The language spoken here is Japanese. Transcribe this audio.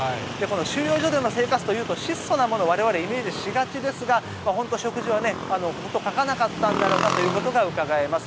収容所での生活というと質素なものを我々はイメージしがちですが食事は事欠かなかったんだろうなということがうかがえます。